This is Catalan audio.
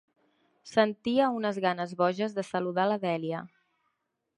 Sentia unes ganes boges de saludar la Dèlia.